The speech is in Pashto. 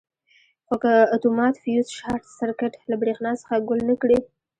خو که اتومات فیوز شارټ سرکټ له برېښنا څخه ګل نه کړي.